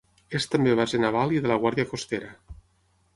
És també base naval i de la Guàrdia Costera.